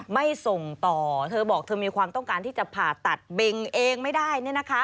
ไม่ส่งต่อเธอบอกเธอมีความต้องการที่จะผ่าตัดเบงเองไม่ได้